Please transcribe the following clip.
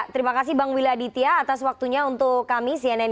terima kasih bang willy aditya atas waktunya untuk kami cnn indonesia